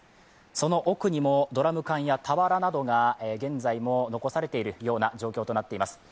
その奥にもドラム缶や俵などが残されているような状態になっています。